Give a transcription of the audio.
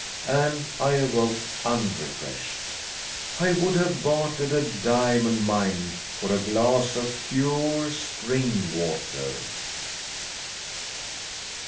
And I awoke unrefreshed. I would have bartered a diamond mine for a glass of pure spring water!